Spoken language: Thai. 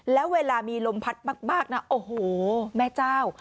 แล้วเวลามีลมพัดมากนะโอ้โหแม่เจ้า